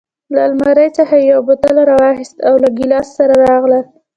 له المارۍ څخه یې یو بوتل راواخیست او له ګیلاس سره راغلل.